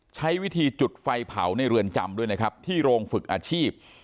ใช้วิธีจุดไฟเผาในเรือนจำด้วยนะครับที่โรงฝึกอาชีพ